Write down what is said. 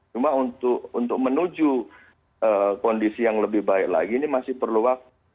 cuma untuk menuju kondisi yang lebih baik lagi ini masih perlu waktu